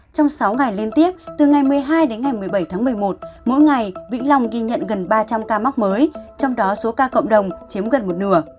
trong sáu ngày liên tiếp từ ngày một mươi hai đến ngày một mươi bảy tháng một mươi một mỗi ngày vĩnh long ghi nhận gần ba trăm linh ca mắc mới trong đó số ca cộng đồng chiếm gần một nửa